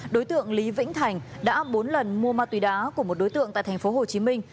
đối tượng lý vĩnh thành đã bốn lần mua ma túy đá của một đối tượng tại thành phố hồ chí minh